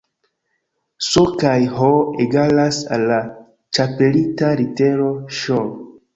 S kaj H egalas al la ĉapelita litero Ŝ